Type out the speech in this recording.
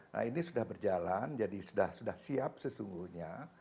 nah ini sudah berjalan jadi sudah siap sesungguhnya